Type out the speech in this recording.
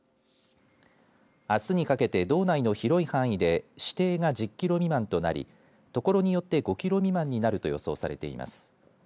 あすにかけて道内の広い範囲で視程が１０キロ未満となり所によって５キロ未満になると予想されています。